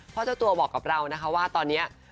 เพราะเจ้าตัวบอกกับเรานะคะว่าตอนนี้